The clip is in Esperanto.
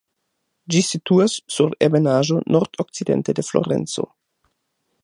Ĝi situas sur ebenaĵo nordokcidente de Florenco.